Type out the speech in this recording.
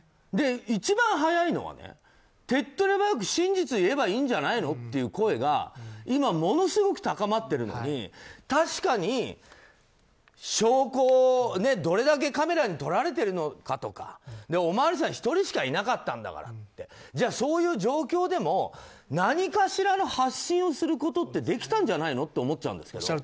一番早いのはてっとり早く真実を言えばいいんじゃないっていう声が今、ものすごく高まっているのに確かに、証拠をどれだけカメラに撮られてるのかとかおまわりさん１人しかいなかったんだからってじゃあそういう状況でも何かしらの発信をすることってできたんじゃないのって思っちゃうんですけど。